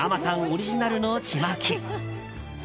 オリジナルのちまき。